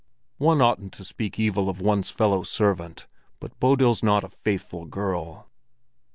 One oughtn't to speak evil of one's fellow servant, but Bodil's not a faithful girl.